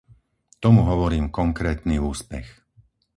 Tomu hovorím konkrétny úspech.